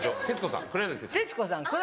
徹子さん